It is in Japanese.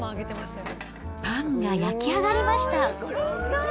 パンが焼き上がりました。